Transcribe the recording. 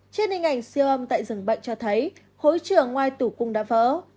trên hình ảnh siêu âm tại rừng bệnh cho thấy khối trưởng ngoài tủ cung đã vỡ